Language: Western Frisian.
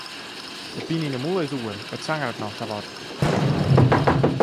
De pine yn 'e mûle is oer, it sangeret noch sa wat.